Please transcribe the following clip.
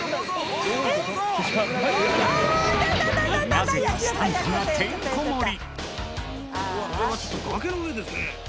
なぜかスタントがてんこ盛り！